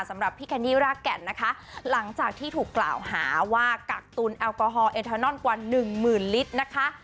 สำหรับพี่แคนดี้รากแก่นนะคะหลังจากที่ถูกกล่าวหาว่ากักตุลแอลกอฮอลเอทานอนกว่าหนึ่งหมื่นลิตรนะคะ